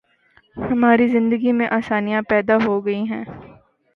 ہماری زندگی میں آسانیاں پیدا ہو گئی ہیں۔